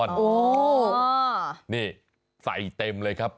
นี่ใส่เต็มเลยครับ